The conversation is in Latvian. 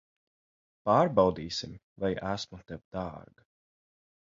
Pārbaudīsim, vai esmu tev dārga.